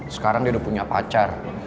sekarang dia udah punya pacar